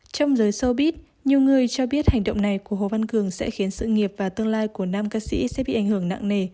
trong giới sobit nhiều người cho biết hành động này của hồ văn cường sẽ khiến sự nghiệp và tương lai của nam ca sĩ sẽ bị ảnh hưởng nặng nề